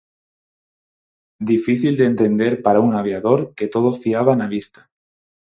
Difícil de entender para un aviador que todo fiaba na vista.